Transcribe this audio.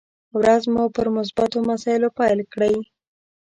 ورځ مو پر مثبتو مسايلو پيل کړئ!